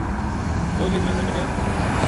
فوج نے جنازہ کَڈھیا